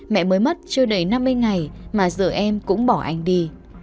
mẹ mới mất chưa đầy năm mươi ngày mà giờ em cũng bỏ anh đi